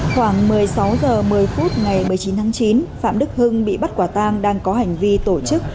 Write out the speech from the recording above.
khoảng một mươi sáu h một mươi phút ngày một mươi chín tháng chín phạm đức hưng bị bắt quả tang đang có hành vi tổ chức